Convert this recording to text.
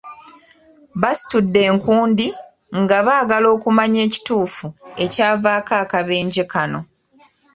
Basitudde enkundi nga baagala okumanya ekituufu ekyavaako akabenje kano.